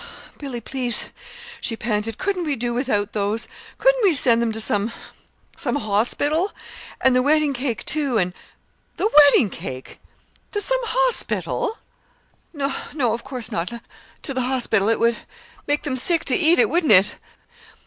"Billy, please," she panted, "couldn't we do without those? Couldn't we send them to some some hospital? and the wedding cake, too, and " "The wedding cake to some hospital!" "No, of course not to the hospital. It would make them sick to eat it, wouldn't it?"